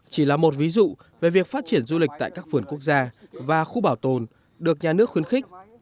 chỉ là một ví dụ về việc phát triển du lịch tại các vườn quốc gia và khu bảo tồn được nhà nước khuyến khích